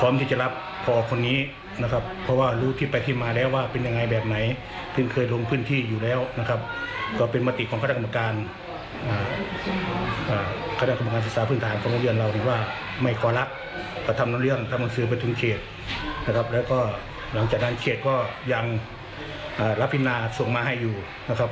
มันสืบไปถึงเขตนะครับแล้วก็หลังจากนั้นเขตก็ยังรับพินาส่งมาให้อยู่นะครับ